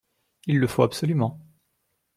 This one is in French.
Il le faut absolument.